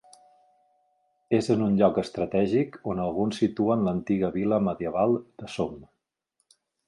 És en un lloc estratègic on alguns situen l'antiga vila medieval de Som.